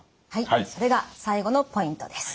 はいそれが最後のポイントです。